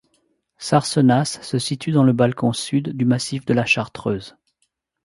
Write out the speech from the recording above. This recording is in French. Sarcenas se situe dans le balcon sud du massif de la chartreuse.